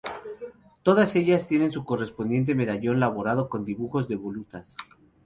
Todas ellas tienen su correspondiente medallón labrado, con dibujos de volutas.